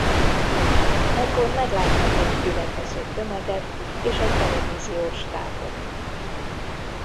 Ekkor meglátnak egy gyülekező tömeget és egy televíziós stábot.